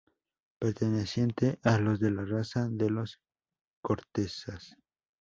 Perteneciente a los de la raza de los Cortezas.